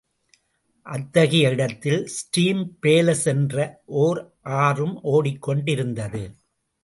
அத்தகைய இடத்தில் ஸ்டிம்பேலஸ் என்ற ஓர் ஆறும் ஓடிக் கொண்டிருந்தது.